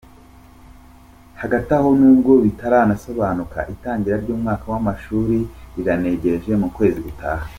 Hagati aho, nubwo bitarasobanuka, itangira ry’umwaka w’amashuri rirenegereje mu kwezi gutaha.